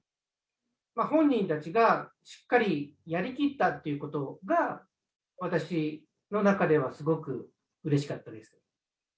本人たちがしっかりやりきったっていうことが、私の中ではすごくうれしかったです。